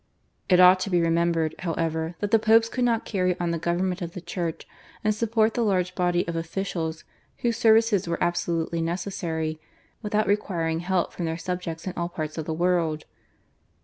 It ought to be remembered, however, that the Popes could not carry on the government of the Church, and support the large body of officials whose services were absolutely necessary, without requiring help from their subjects in all parts of the world.